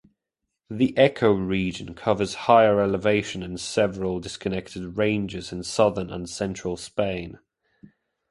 The ecoregion covers higher elevations in several disconnected ranges in southern and central Spain.